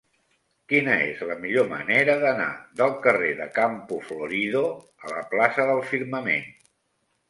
Quina és la millor manera d'anar del carrer de Campo Florido a la plaça del Firmament?